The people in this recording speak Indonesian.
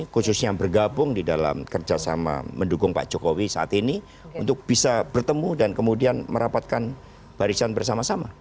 khususnya bergabung di dalam kerjasama mendukung pak jokowi saat ini untuk bisa bertemu dan kemudian merapatkan barisan bersama sama